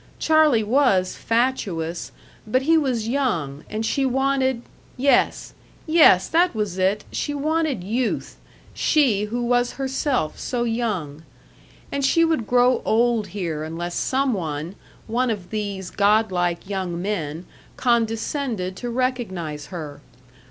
Charlie was fatuous, but he was young, and she wanted, yes, yes! that was it, she wanted youth, she who was herself so young. And she would grow old here unless some one, one of these godlike young men, condescended to recognize her.